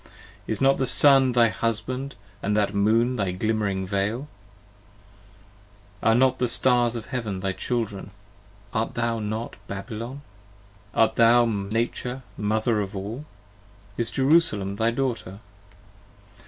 Is not that Sun thy husband & that Moon thy glimmering Veil ? Are not the Stars of heaven thy Children? art thou not Babylon? Art thou Nature Mother of all ? is Jerusalem thy Daughter?